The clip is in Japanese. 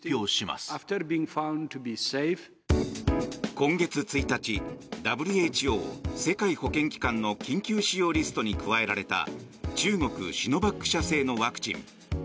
今月１日ＷＨＯ・世界保健機関の緊急使用リストに加えられた中国シノバック社製のワクチン。